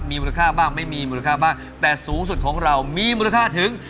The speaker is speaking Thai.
มีมูลค่าบ้างไม่มีมูลค่าบ้างแต่สูงสุดของเรามีมูลค่าถึง